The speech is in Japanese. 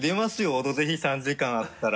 「オドぜひ」３時間あったら。